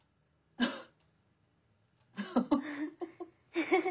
フフフフ。